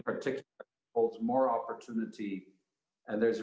kita melihat perubahan besar di dunia